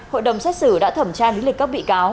hội đồng xét xử đã thẩm tra lý lịch các bị cáo